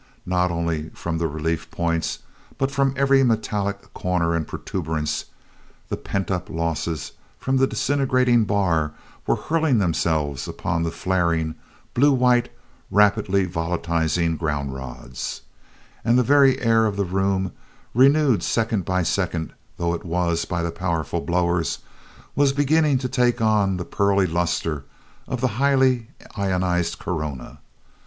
Not only from the relief points, but from every metallic corner and protuberance the pent up losses from the disintegrating bar were hurling themselves upon the flaring, blue white, rapidly volatilizing ground rods; and the very air of the room, renewed second by second though it was by the powerful blowers, was beginning to take on the pearly luster of the highly ionized corona.